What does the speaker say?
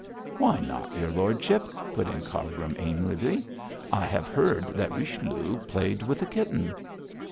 'Why not, your lordship?' put in Cargrim, amiably. 'I have heard that Richelieu played with a kitten.'